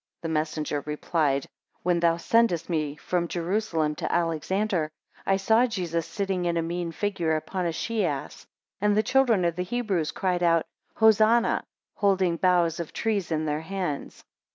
12 The messenger replied, When thou sentest me from Jerusalem to Alexander, I saw Jesus sitting in a mean figure upon a she ass, and the children of the Hebrews cried out, Hosannah, holding boughs of trees in their hands.